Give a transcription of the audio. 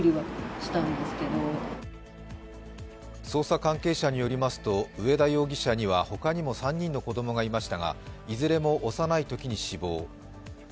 捜査関係者によりますと上田容疑者には他にも３人の子供がいましたがいずれも幼いときに死亡。